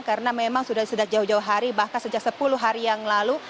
karena memang sudah jauh jauh hari bahkan sejak sepuluh hari yang lalu